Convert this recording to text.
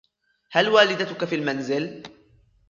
هل والدتك في المنزل